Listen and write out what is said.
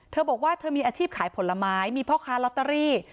เธอบอกว่าเธอมีอาชีพขายผลไม้มีพ่อค้าลอตเตอรี่